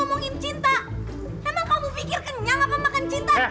emang kamu pikir kenyang apa makan cinta